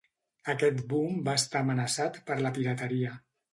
Aquest boom va estar amenaçat per la pirateria.